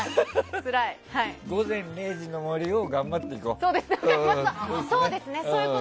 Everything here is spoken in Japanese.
「午前０時の森」を頑張っていこう。